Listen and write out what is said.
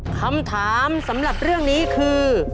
คำถามสำหรับเรื่องนี้คือ